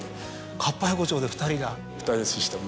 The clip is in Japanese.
かっぱ横丁で２人が。